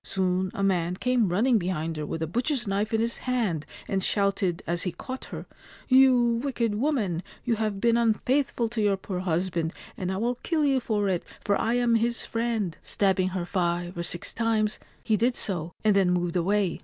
Soon a man came running behind her with a butcher's knife in his hand, and shouted as he caught her :* You wicked woman ! You have been unfaithful to The Snow Tomb your poor husband, and I will kill you for it, for I am his friend/ Stabbing her five or six times, he did so, and then moved away.